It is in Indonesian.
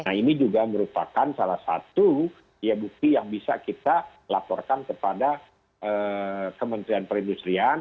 nah ini juga merupakan salah satu bukti yang bisa kita laporkan kepada kementerian perindustrian